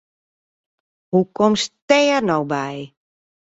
Hoe komst dêr no by?